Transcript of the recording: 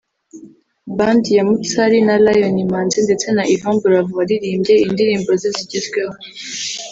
Band ya Mutsari na Lion Imanzi ndetse na Yvan Buravan waririmbye indirimbo ze zigezweho